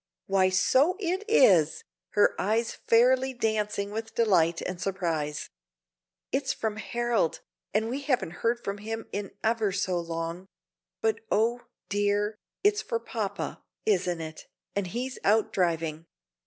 "Why, so it is!" her eyes fairly dancing with delight and surprise. "It's from Harold, and we haven't heard from him in ever so long; but oh, dear, it's for papa, isn't it, and he's out driving."